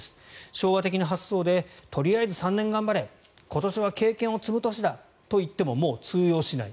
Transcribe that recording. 昭和的な発想でとりあえず３年頑張れ今年は経験を積む年だといってももう通用しない